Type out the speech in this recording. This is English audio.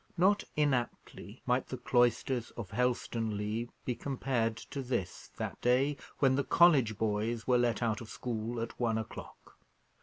Not inaptly might the cloisters of Helstonleigh be compared to this, that day, when the college boys were let out of school at one o'clock.